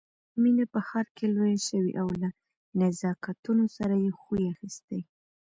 مينه په ښار کې لويه شوې او له نزاکتونو سره يې خوی اخيستی